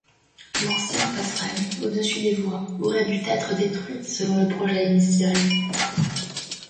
L'ancienne passerelle au-dessus des voies aurait dû être détruite selon le projet initial.